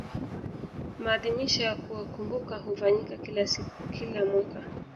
maadhimisho ya kuwakumbuka hufanyika kila mwaka